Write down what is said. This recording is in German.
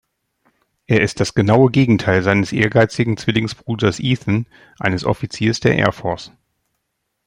Er ist das genaue Gegenteil seines ehrgeizigen Zwillingsbruders Ethan, eines Offiziers der Air Force.